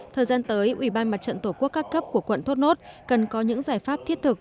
thời gian tới ủy ban mặt trận tổ quốc các cấp của quận thốt nốt cần có những giải pháp thiết thực